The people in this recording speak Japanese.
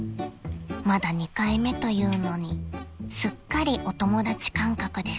［まだ２回目というのにすっかりお友達感覚です］